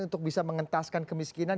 untuk bisa mengentaskan kemiskinan